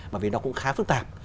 bởi vì nó cũng khá phức tạp